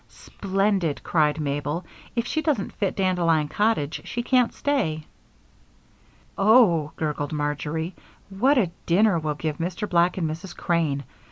"Splendid!" cried Mabel. "If she doesn't fit Dandelion Cottage, she can't stay." "Oh," gurgled Marjory, "what a dinner we'll give Mr. Black and Mrs. Crane!